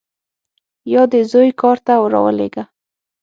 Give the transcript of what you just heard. یا دې زوی کار ته راولېږه.